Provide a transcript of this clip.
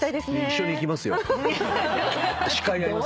一緒に行きますよ。